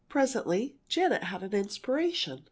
Presently Janet had an inspiration.